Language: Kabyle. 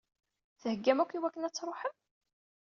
Theggam akk i wakken ad tṛuḥem?